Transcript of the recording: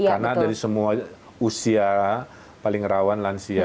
karena dari semua usia paling rawan lansia